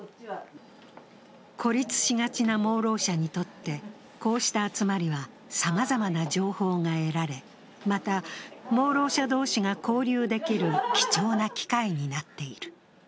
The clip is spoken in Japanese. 孤立しがちな盲ろう者にとってこうした集まりは、さまざまな情報が得られ、また、盲ろう者同士が交流できる貴重な機会になっている。